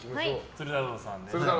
鶴太郎さん。